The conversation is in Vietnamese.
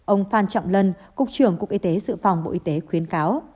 ông phan trọng lân cục trưởng cục y tế dự phòng bộ y tế khuyến cáo